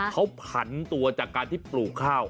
เขาผันตัวจากการที่ปลูกข้าว